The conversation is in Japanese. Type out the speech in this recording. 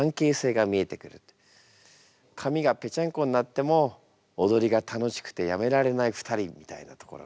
髪がぺちゃんこになっても踊りが楽しくてやめられない２人みたいなところがね。